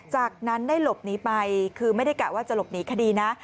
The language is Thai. จากนั้นได้หลบหนีไปคือไม่ได้กะว่าจะหลบหนีคดีนะ